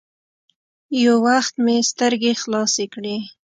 يو وخت مې سترګې خلاصې کړې.